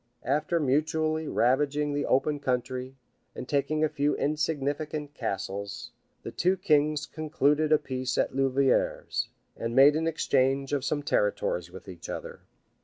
After mutually ravaging the open country, and taking a few insignificant castles, the two kings concluded a peace at Louviers, and made an exchange of some territories with each other.